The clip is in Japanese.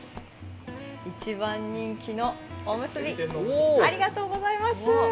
一番人気のおむすび、ありがとうございます。